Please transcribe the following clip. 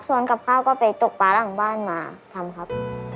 ส่วนกับข้าวก็ไปตกปลาหลังบ้านมาทำครับ